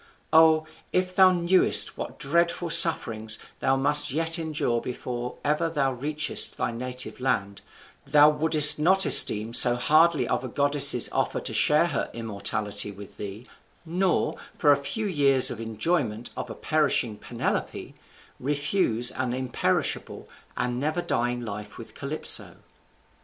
O, if thou knewest what dreadful sufferings thou must yet endure before ever thou reachest thy native land, thou wouldest not esteem so hardly of a goddess's offer to share her immortality with thee; nor, for a few years' enjoyment of a perishing Penelope, refuse an imperishable and never dying life with Calypso."